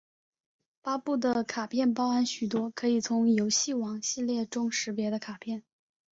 发布的卡片包含许多可以从游戏王系列中识别的卡片！